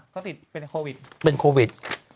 ก็ติดเป็นโควิด